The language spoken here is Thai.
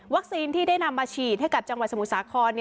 วัคซีนที่ได้นำมาฉีดให้จังหวัดสมุทรสาคร